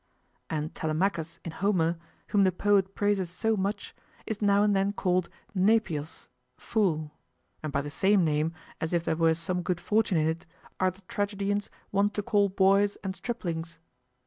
And Telemachus in Homer, whom the poet praises so much, is now and then called nepios, fool: and by the same name, as if there were some good fortune in it, are the tragedians wont to call boys and striplings.